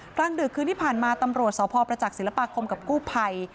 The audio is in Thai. กลางดึกคืนที่ผ่านมาตำรวจสพประจักษ์ศิลปาคมกับกู้ภัย